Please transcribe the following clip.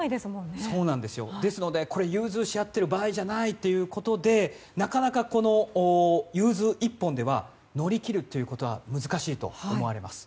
ですので融通し合ってる場合じゃないということでなかなか融通一本では乗り切ることは難しいと思われます。